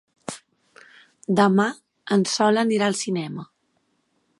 Demà en Sol anirà al cinema.